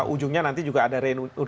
ujungnya nanti juga ada renung